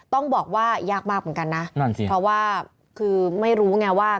ต้องบอกว่ายากมากเหมือนกันนะนั่นสิเพราะว่าคือไม่รู้ไงว่า